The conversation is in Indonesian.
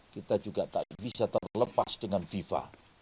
kita juga tak bisa terlepas dengan fifa